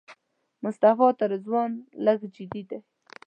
مصطفی تر رضوان لږ جدي دی.